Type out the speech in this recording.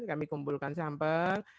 kami kumpulkan sampel